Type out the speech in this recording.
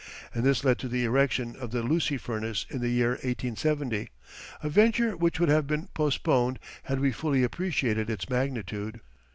And this led to the erection of the Lucy Furnace in the year 1870 a venture which would have been postponed had we fully appreciated its magnitude.